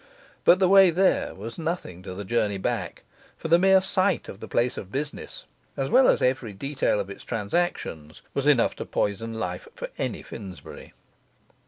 But the way there was nothing to the journey back; for the mere sight of the place of business, as well as every detail of its transactions, was enough to poison life for any Finsbury.